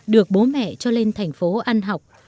được bố mẹ cho lên thành phố ăn học